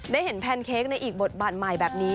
ได้เห็นแพนเค้กในอีกบทบาทใหม่แบบนี้